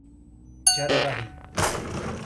Jaraguari